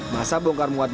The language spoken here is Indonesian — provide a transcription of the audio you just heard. masa bongkar muat banjir